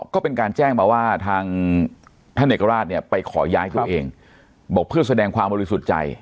ก็เป็นการแจ้งมาว่าทางท่านเอกราชเนี่ยไปขอย้ายตัวเองบอกเพื่อแสดงความบริสุทธิ์ใจ